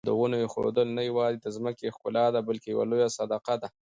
د ونو ایښودل نه یوازې د ځمکې ښکلا ده بلکې یوه لویه صدقه ده.